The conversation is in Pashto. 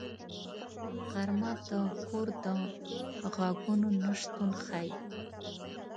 غرمه د کور د غږونو نه شتون ښيي